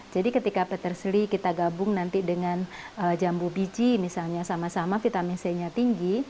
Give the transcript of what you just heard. jadi ketika peterseli kita gabung nanti dengan jambu biji misalnya sama sama vitamin c nya tinggi